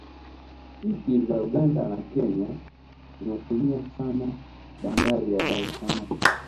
nchi za uganda na kenya zinatumia sana bandar ya dar es salaam